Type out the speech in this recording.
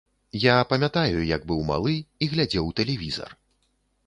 Я памятаю, як быў малы і глядзеў тэлевізар.